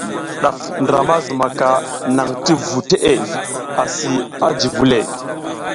Ɗaf ndra ma zumaka naŋ ti vu teʼe asi a ji vule.